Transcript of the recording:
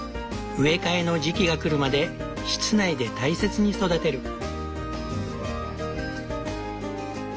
植え替えの時期が来るまで室内で大切に育てる。